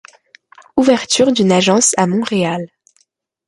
Ouverture d'une agence à Montréal.